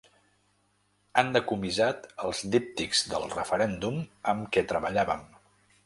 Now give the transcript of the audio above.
Han decomissat els díptics del referèndum amb què treballàvem.